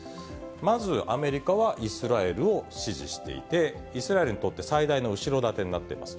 まずアメリカはイスラエルを支持していて、イスラエルにとって最大の後ろ盾になっています。